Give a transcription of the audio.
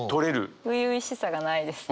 初々しさがないですよね。